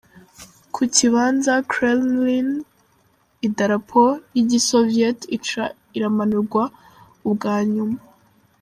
Ku kibanza Kremlin idarapo y'igi Soviet ica iramanurwa ubwa nyuma.